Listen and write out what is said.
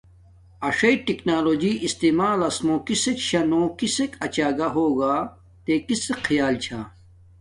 اݽ کٹنالوجی استعمال لس مو کسک شاہ نو کسک اچا گہ ہوگا تے کسک خیال چھا